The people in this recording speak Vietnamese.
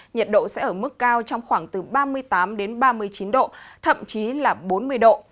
nhiệt độ sẽ ở mức cao trong khoảng từ ba mươi tám đến ba mươi chín độ thậm chí là bốn mươi độ